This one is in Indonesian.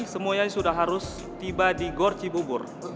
semuanya sudah harus tiba di gorjibubur